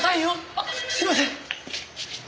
あすいません！